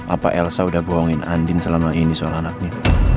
apa elsa udah bohongin andin selama ini soal anaknya